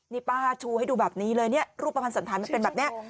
นี่ป้าชูให้ดูแบบนี้เลยเนี่ยรูปภัณฑ์สันธารมันเป็นแบบนี้